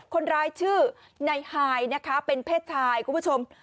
คนร้ายชื่อนายไฮนะคะเป็นเพศชายคุณผู้ชม